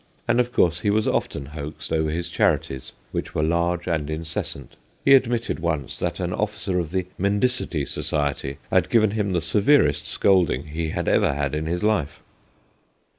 And of course he was often hoaxed over his charities, which were large and incessant : he admitted once that an officer of the Mendicity Society had given him the severest scolding he had ever had in his life.